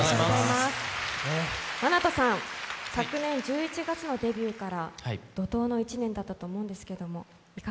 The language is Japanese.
ＭＡＮＡＴＯさん、昨年１１月のデビューから怒とうの１年だったと思いますが。